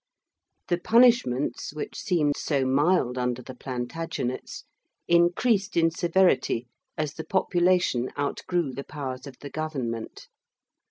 The punishments, which seem so mild under the Plantagenets, increased in severity as the population outgrew the powers of the government.